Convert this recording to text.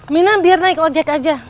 minan biar naik ojek aja